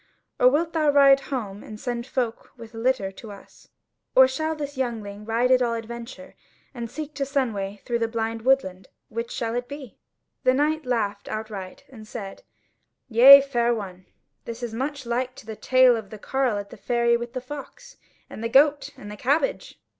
Or wilt thou ride home and send folk with a litter to us? Or shall this youngling ride at all adventure, and seek to Sunway through the blind woodland? Which shall it be?" The knight laughed outright, and said: "Yea, fair one, this is much like to the tale of the carle at the ferry with the fox, and the goat, and the cabbage."